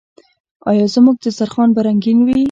آیا زموږ دسترخان به رنګین وي؟